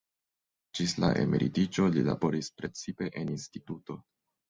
Ĝis la emeritiĝo li laboris precipe en instituto.